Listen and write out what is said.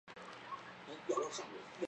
道光二十年十一月初十丙寅逝世。